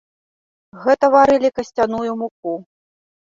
Гэта варылі касцяную муку.